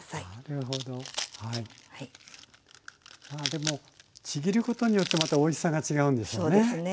でもちぎることによってまたおいしさが違うんでしょうね。